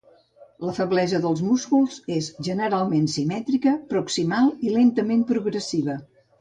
La feblesa de músculs és generalment simètrica, proximal i lentament progressiva.